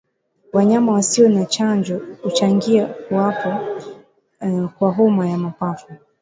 Wanyama wasio na chanjo huchangia kuwepo kwa homa ya mapafu